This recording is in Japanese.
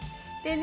ね